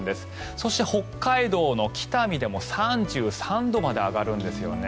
そして、北海道の北見でも３３度まで上がるんですよね。